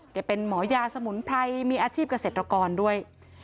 เป็นหมอยาสมุนไพรมีอาชีพเกษตรกรด้วย